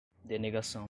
denegação